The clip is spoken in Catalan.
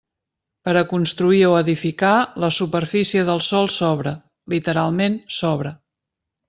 Per a construir o edificar, la superfície del sòl sobra, literalment sobra.